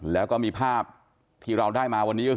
แล้วก็มีภาพที่เราได้มาวันนี้ก็คือ